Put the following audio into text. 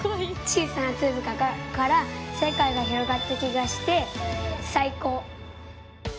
小さな粒から世界が広がった気がして最高！